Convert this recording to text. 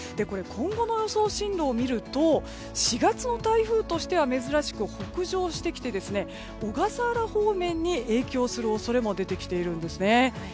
今後の予想進路を見ると４月の台風としては珍しく北上してきて小笠原方面に影響する恐れも出てきているんですね。